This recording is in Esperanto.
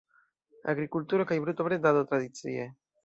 Agrikulturo kaj brutobredado tradicie.